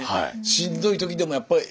しんどい時でもやっぱり。